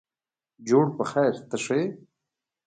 جوړ په خیرته ښه یې.